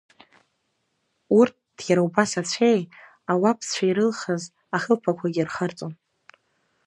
Урҭ иара убас ацәеи, ауапцәеи ирылхыз ахылԥақәагьы рхарҵон.